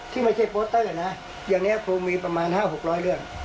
ที่ไม่ใช่โปสเตอร์นะอย่างนี้ครูมีประมาณ๕๖๐๐เรื่อง